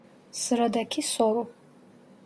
Sıradaki soru.